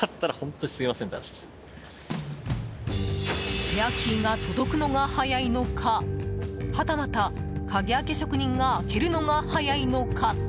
スペアキーが届くのが早いのかはたまた鍵開け職人が開けるのが早いのか。